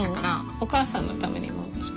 お母さんのためにも作る？